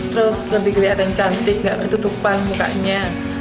terus lebih kelihatan cantik tidak tertutupan mukanya